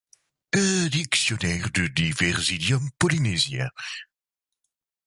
un dictionnaire des divers idiomes polynésiens.